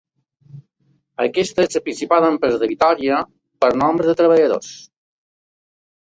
Aquesta és la principal empresa de Vitòria per nombre de treballadors.